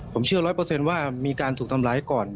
ผมเชื่อ๑๐๐ว่ามีการถูกทำร้ายก่อน